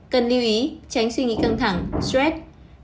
cần lưu ý tránh suy nghĩ căng thẳng stress